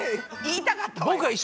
言いたかったのよ。